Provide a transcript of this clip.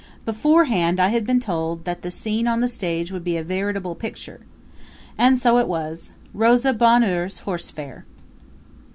Beforehand I had been told that the scene on the stage would be a veritable picture. And so it was Rosa Bonheur's Horse Fair.